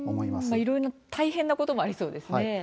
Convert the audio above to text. いろいろ大変なこともありそうですね。